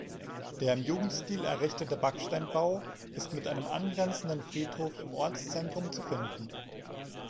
Der im Jugendstil errichtete Backsteinbau ist mit einem angrenzenden Friedhof im Ortszentrum zu finden.